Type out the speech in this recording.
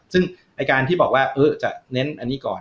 ซึ่งไอ้การที่บอกว่าจะเน้นอันนี้ก่อน